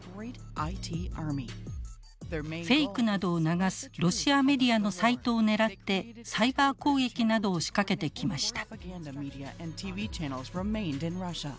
フェイクなどを流すロシアメディアのサイトを狙ってサイバー攻撃などを仕掛けてきました。